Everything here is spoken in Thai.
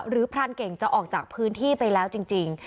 พรานเก่งจะออกจากพื้นที่ไปแล้วจริง